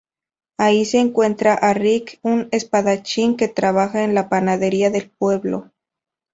Ahí se encuentra a Rick, un espadachín que trabaja en la panadería del pueblo.